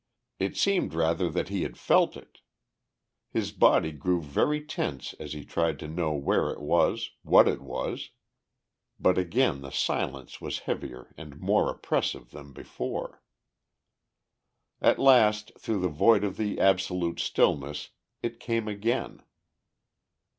It seemed rather that he had felt it. His body grew very tense as he tried to know where it was, what it was. But again the silence was heavier and more oppressive than before. At last, through the void of the absolute stillness, it came again.